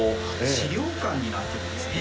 資料館になってるんですね。